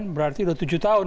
berarti udah tujuh tahun